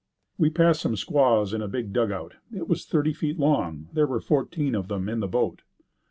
We passed some squaws in a big dugout. It was thirty feet long. There were fourteen of them in the boat.